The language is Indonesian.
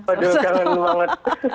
aduh kangen banget